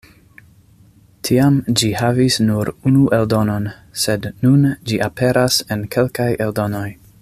Tiam ĝi havis nur unu eldonon, sed nun ĝi aperas en kelkaj eldonoj.